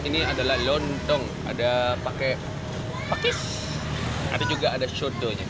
ini adalah lontong ada pakai pakis ada juga ada soto